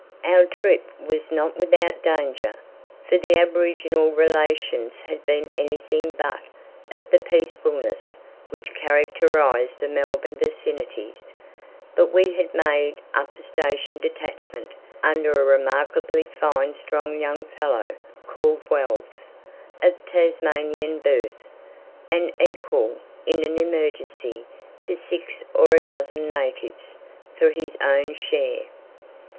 Our trip was not without danger, for the aboriginal relations had been anything but of that peacefulness which characterized the Melbourne vicinities; but we made up a station detachment under a remarkably fine strong young fellow called Wells, of Tasmanian birth, and equal, in an emergency, to six or a dozen natives for his own share.